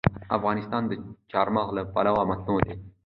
افغانستان د چار مغز له پلوه متنوع دی.